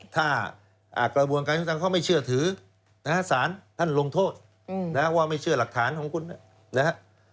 ถ้ากระบวนการยุทธรรมเขาไม่เชื่อถือนะฮะสารท่านลงโทษว่าไม่เชื่อหลักฐานของคุณนะฮะ